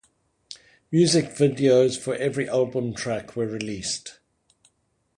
Music videos for every album track were released.